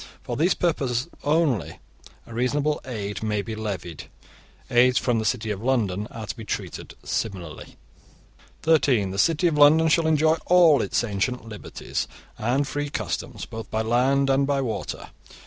For these purposes only a reasonable 'aid' may be levied. 'Aids' from the city of London are to be treated similarly. (13) The city of London shall enjoy all its ancient liberties and free customs, both by land and by water.